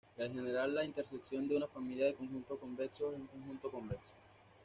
En general, la intersección de una familia de conjuntos convexos es un conjunto convexo.